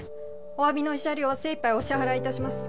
お詫びの慰謝料は精いっぱいお支払いいたします